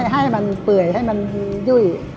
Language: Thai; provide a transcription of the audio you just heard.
ให้มันเปื่อยให้มันยุ่ย